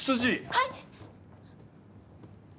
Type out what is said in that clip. はい！